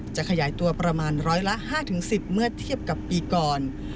จะขยายตัวประมาณร้อยละ๕๑๐เมื่อเทียบกับปีก่อน